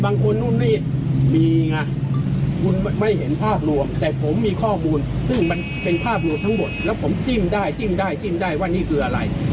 อ่านี่มีแล้วครับแล้วผมจิ้มได้ว่านี่คืออะไร